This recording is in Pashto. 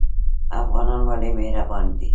افغانان ولې مهربان دي؟